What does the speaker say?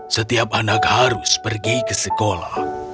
setiap anak harus pergi ke sekolah